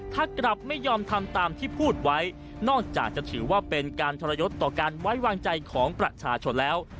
ถ้ากลับไม่ยอมทำตามที่พูดไว้นอกจากจะถือว่าเป็นการทรยศต่อการไว้วางใจของประชาชนแล้ว